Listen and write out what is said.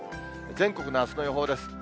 全国のあすの予報です。